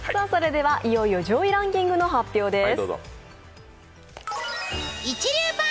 いよいよ上位ランキングの発表です。